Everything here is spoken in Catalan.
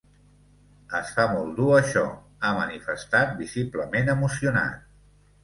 Es fa molt dur això, ha manifestat visiblement emocionat.